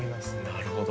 なるほど。